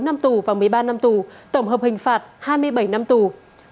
một mươi bốn năm tuổi và một mươi ba năm tuổi tổng hợp hình phạt hai mươi bảy năm tuổi